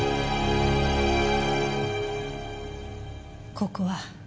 ここは？